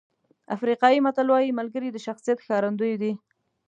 افریقایي متل وایي ملګري د شخصیت ښکارندوی دي.